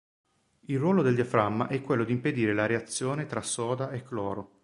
Il ruolo del diaframma è quello di impedire la reazione tra soda e cloro.